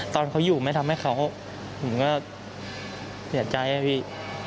ตอนเขาอยู่ไม่ทำให้เขาผมก็เสียใจอะพี่